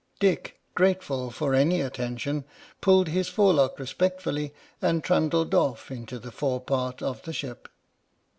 Dick, grateful for any attention, pulled his fore lock respectfully and trundled off into the fore part of the ship.